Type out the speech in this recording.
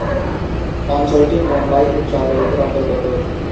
অঞ্চলটি মুম্বাই উচ্চ আদালতের অন্তর্গত।